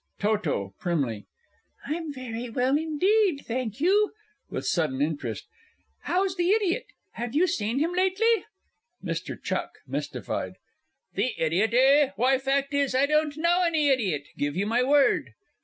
TOTO (primly). I'm very well indeed, thank you. (With sudden interest.) How's the idiot? Have you seen him lately? MR. C. (mystified). The idiot, eh? Why, fact is, I don't know any idiot! give you my word!